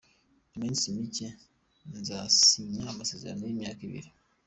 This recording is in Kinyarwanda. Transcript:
Mu minsi mike nzasinya amasezerano y’imyaka ibiri".